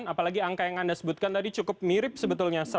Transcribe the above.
apalagi angka yang anda sebutkan tadi cukup mirip sebetulnya